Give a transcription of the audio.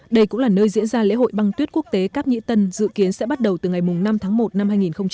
đây cũng là nơi diễn ra lễ hội băng tuyết quốc tế cáp nhĩ tân dự kiến sẽ bắt đầu từ ngày năm tháng một năm hai nghìn hai mươi